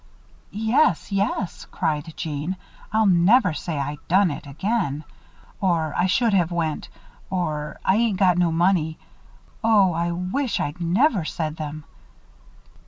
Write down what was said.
"Yes, yes," cried Jeanne. "I'll never say 'I done it' again! Or 'I should have went' or 'I ain't got no money.' Oh, I wish I'd never said them.